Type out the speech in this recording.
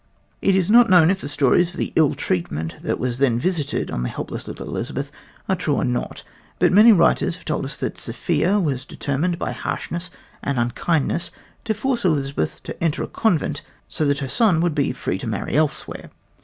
It is not known if the stories of the ill treatment that was then visited on the helpless little Elizabeth are true or not, but many writers have told us that Sophia was determined by harshness and unkindness to force Elizabeth to enter a convent so that her son would be free to marry elsewhere.